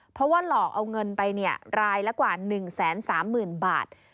เพราะว่าหลอกเอาเงินไปรายละกว่า๑๓๐๐๐บาท